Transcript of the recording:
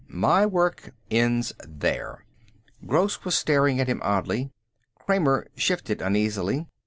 "My work ends there." Gross was staring at him oddly. Kramer shifted uneasily.